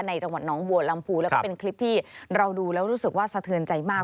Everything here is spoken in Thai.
จังหวัดน้องบัวลำพูแล้วก็เป็นคลิปที่เราดูแล้วรู้สึกว่าสะเทือนใจมาก